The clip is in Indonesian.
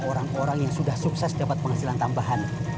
orang orang yang sudah sukses dapat penghasilan tambahan